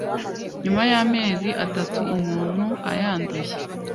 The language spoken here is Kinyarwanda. nyuma y’amezi atatu umuntu ayanduye.